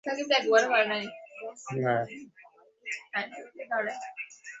যানজটের কারণে অনেক সময় মুমূর্ষু রোগী নিয়ে সড়কের ওপর আটকে থাকতে হয়।